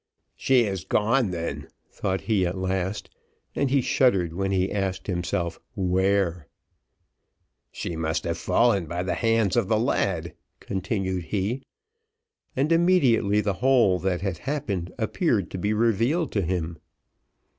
"She is gone then," thought he at last, and he shuddered when he asked himself where. "She must have fallen by the hands of the lad," continued he, and immediately the whole that had happened appeared to be revealed to him.